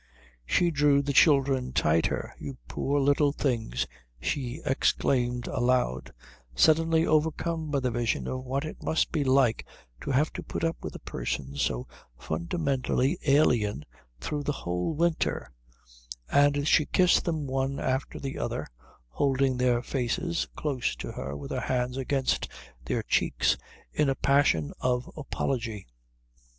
She drew the children tighter. "You poor little things!" she exclaimed aloud, suddenly overcome by the vision of what it must be like to have to put up with a person so fundamentally alien through a whole winter; and she kissed them one after the other, holding their faces close to hers with her hands against their cheeks in a passion of apology.